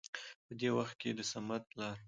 په دې وخت کې د صمد پلار